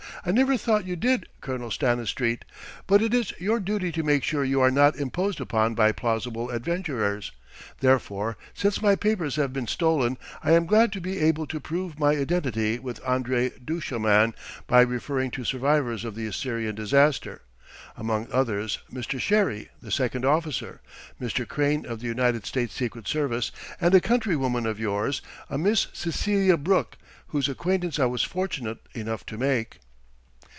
"I never thought you did, Colonel Stanistreet. But it is your duty to make sure you are not imposed upon by plausible adventurers. Therefore since my papers have been stolen I am glad to be able to prove my identity with André Duchemin by referring to survivors of the Assyrian disaster, among others Mr. Sherry, the second officer, Mr. Crane of the United States Secret Service, and a countrywoman of yours, a Miss Cecelia Brooke, whose acquaintance I was fortunate enough to make."